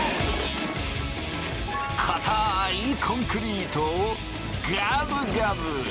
固いコンクリートをガブガブ！